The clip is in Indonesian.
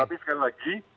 tapi sekali lagi